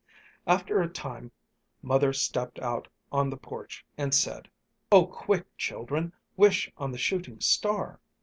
After a time Mother stepped out on the porch and said, "Oh, quick, children, wish on the shooting star."